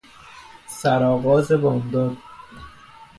سرآغاز بامداد